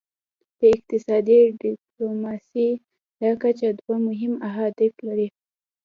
د اقتصادي ډیپلوماسي دا کچه دوه مهم اهداف لري